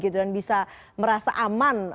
dan bisa merasa aman